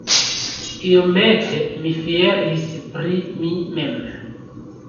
Iomete mi fieris pri mi mem!